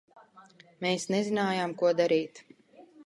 Mēs nezinājām, ko darīt.